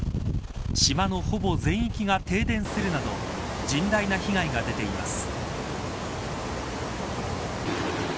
島の、ほぼ全域が停電するなど甚大な被害が出ています。